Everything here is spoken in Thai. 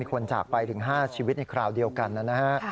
คนจากไปถึง๕ชีวิตในคราวเดียวกันนะฮะ